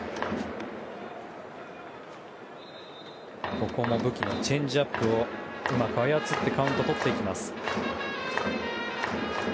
ここも武器のチェンジアップをうまく操ってカウントをとっていきます。